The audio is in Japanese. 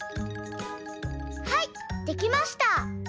はいできました。